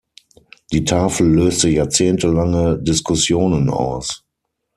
Die Tafel löste jahrzehntelange Diskussionen aus.